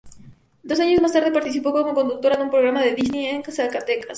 Dos años más tarde participó como conductora de un programa de Disney en Zacatecas.